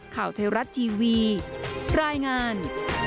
ข่าวไทยรัฐทีวีรายงาน